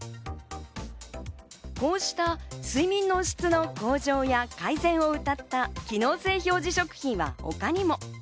こうした睡眠の質の向上や改善をうたった機能性表示食品は他にも。